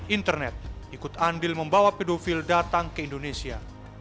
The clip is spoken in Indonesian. internet ikut andil membawa pedofil datang ke indonesia